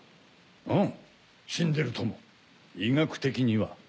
あぁ死んでるとも医学的には。